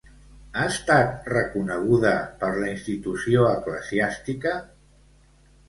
Ha estat reconeguda per la institució eclesiàstica?